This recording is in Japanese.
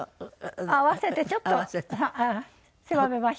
合わせてちょっと狭めました。